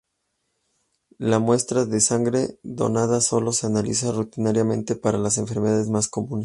La muestra de sangre donada solo se analiza rutinariamente para las enfermedades más comunes.